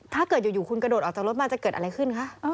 ถ้าเกิดอยู่คุณกระโดดออกจากรถมาจะเกิดอะไรขึ้นคะ